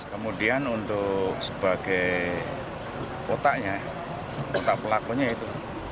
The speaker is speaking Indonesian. kemudian untuk sebagai otaknya otak pelakunya itu